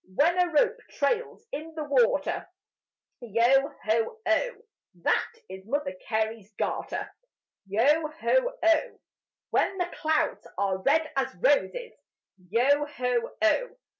When a rope trails in the water, Yo ho oh! That is Mother Carey's garter: Yo ho oh! When the clouds are red as roses, Yo ho oh!